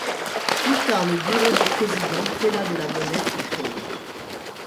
Plus tard, le bureau du président prélat de la Monnaie fut créé.